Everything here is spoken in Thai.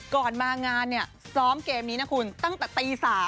ก่อนมางานซ้อมเกมนี้ตั้งแต่ตี๓มา